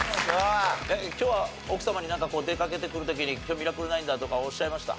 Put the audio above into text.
今日は奥様になんか出かけてくる時に「今日『ミラクル９』だ」とかおっしゃいました？